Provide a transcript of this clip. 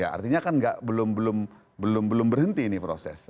ya artinya kan belum belum belum belum berhenti ini proses